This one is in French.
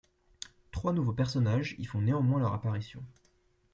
Trois nouveaux personnages y font néanmoins leur apparition.